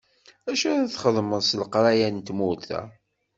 Acu ara txedmeḍ s leqraya n tmurt-a?